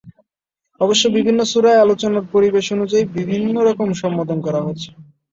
অবশ্য বিভিন্ন সূরায় আলোচনার পরিবেশ অনুযায়ী বিভিন্ন রকম সম্বোধন করা হয়েছে।